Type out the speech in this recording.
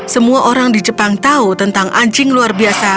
semua orang di jepang tahu tentang anjing luar biasa